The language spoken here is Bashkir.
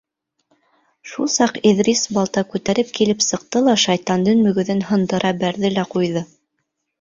Шул саҡ Иҙрис балта күтәреп килеп сыҡты ла шайтандың мөгөҙөн һындыра бәрҙе лә ҡуйҙы.